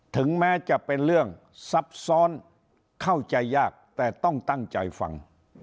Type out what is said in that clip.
ถึงแม้จะเป็นเรื่องซับซ้อนเข้าใจยากแต่ต้องตั้งใจฟัง